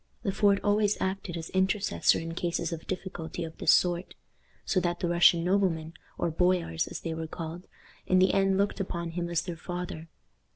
Le Fort always acted as intercessor in cases of difficulty of this sort; so that the Russian noblemen, or boyars as they were called, in the end looked upon him as their father.